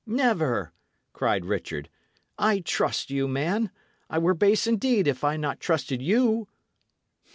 "Never!" cried Richard. "I trust you, man. I were base indeed if I not trusted you."